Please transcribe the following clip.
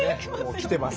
来てます